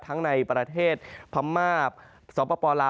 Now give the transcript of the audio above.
ทั้งในประเทศพม่าสวัสดีประเพลอล